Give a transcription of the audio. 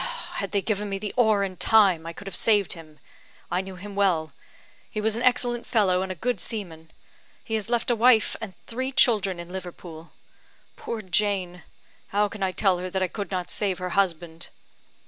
"Had they given me the oar in time, I could have saved him. I knew him well he was an excellent fellow, and a good seaman. He has left a wife and three children in Liverpool. Poor Jane! how can I tell her that I could not save her husband?"